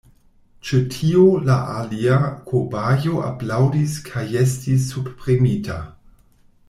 Ĉe tio la alia kobajo aplaŭdis kajestis subpremita.